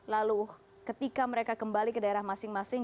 lalu ketika mereka kembali ke daerah masing masing